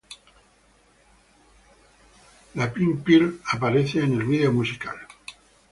La "Pink pill" aparece en el vídeo musical.